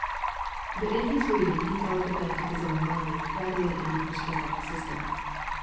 But in his reading he followed the bent of his own mind rather than any prescribed system.